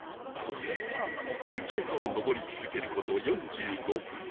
雪山を登り続ける事４５分